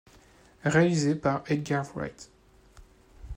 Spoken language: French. Réalisé par Edgar Wright.